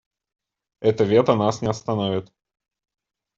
Это вето нас не остановит.